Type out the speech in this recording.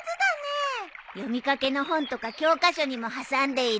読みかけの本とか教科書にも挟んでいるの。